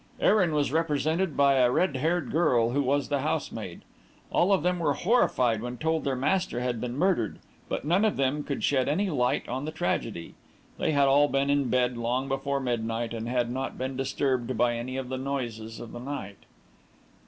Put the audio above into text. Erin was represented by a red haired girl who was the housemaid. All of them were horrified when told their master had been murdered, but none of them could shed any light on the tragedy. They had all been in bed long before midnight, and had not been disturbed by any of the noises of the night.